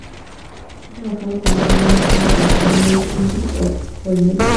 Ha trabajado con los hermanos Coen desde "No Country for Old Men".